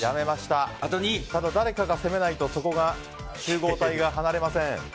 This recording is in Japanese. ただ、誰かが攻めないとそこの集合体が離れません。